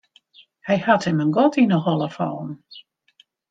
Hy hat him in gat yn 'e holle fallen.